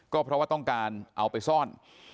ก็เพราะว่าต้องการเอาไปซ่อน